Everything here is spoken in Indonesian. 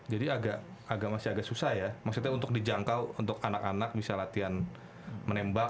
jadi agak masih agak susah ya maksudnya untuk dijangkau untuk anak anak bisa latihan menembak